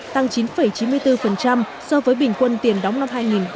tăng chín chín mươi bốn so với bình quân tiền đóng năm hai nghìn một mươi chín